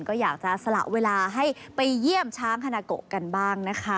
ก็อยากจะสละเวลาให้ไปเยี่ยมช้างฮานาโกะกันบ้างนะคะ